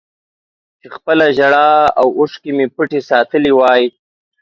چې خپله ژړا او اوښکې مې پټې ساتلې وای